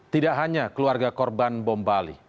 tidak hanya keluarga korban bom bali